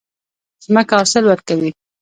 ځمکه حاصل ورکوي.